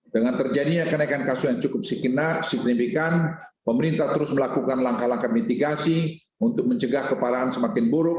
dengan terjadinya kenaikan kasus yang cukup signifikan pemerintah terus melakukan langkah langkah mitigasi untuk mencegah keparahan semakin buruk